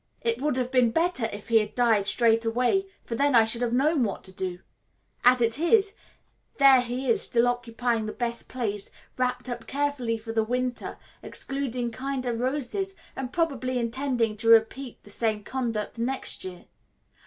It would have been better if he had died straight away, for then I should have known what to do; as it is, there he is still occupying the best place, wrapped up carefully for the winter, excluding kinder roses, and probably intending to repeat the same conduct next year.